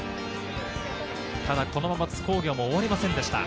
ただこのまま津工業も終わりませんでした。